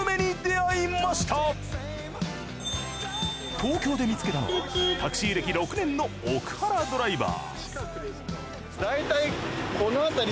東京で見つけたのはタクシー歴６年の奥原ドライバー。